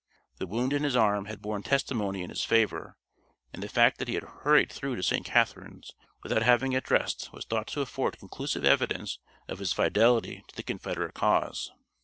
The wound in his arm had borne testimony in his favor, and the fact that he had hurried through to St. Catherine's without having it dressed was thought to afford conclusive evidence of his fidelity to the Confederate cause.